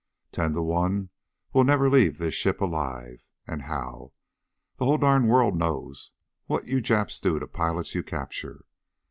Ten to one we'll never leave this ship alive. And how! The whole darn world knows what you Japs do to pilots you capture.